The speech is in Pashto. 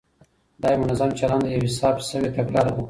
دا یو منظم چلند دی، یوه حساب شوې تګلاره ده،